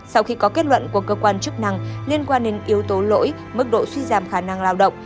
sau khi có kết luận của cơ quan chức năng liên quan đến yếu tố lỗi mức độ suy giảm khả năng lao động